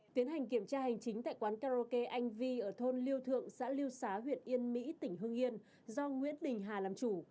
tiến hành kiểm tra hành chính tại quán karaoke anh vi ở thôn liêu thượng xã liêu xá huyện yên mỹ tỉnh hương yên do nguyễn đình hà làm chủ